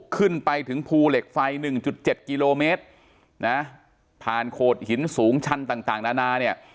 ขึ้นไปถึงภูเหล็กไฟหนึ่งจุดเจ็ดกิโลเมตรนะผ่านโคดหินสูงชั้นต่างต่างนานาเนี้ย